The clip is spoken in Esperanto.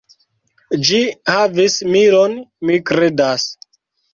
Ĝi havis milon, mi kredas.